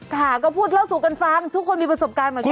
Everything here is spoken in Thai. ค่ะก็พูดเล่าสู่กันฟังทุกคนมีประสบการณ์เหมือนกัน